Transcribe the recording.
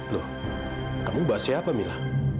loh kamu bahas siapa mila